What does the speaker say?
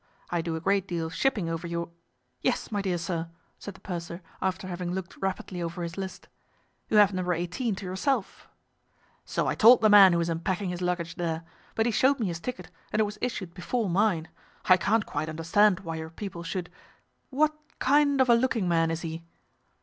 I do a great deal of shipping over your—" "Yes, my dear sir," said the purser, after having looked rapidly over his list, "you have No. 18 to yourself." "So I told the man who is unpacking his luggage there; but he showed me his ticket, and it was issued before mine. I can't quite understand why your people should—" "What kind of a looking man is he?"